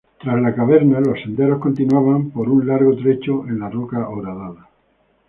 Tras la caverna los senderos continuaban por un largo trecho en la roca horadada.